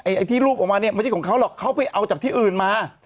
ไอ้ที่รูปออกมาเนี่ยไม่ใช่ของเขาหรอกเขาไปเอาจากที่อื่นมา